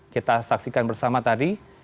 kita saksikan bersama tadi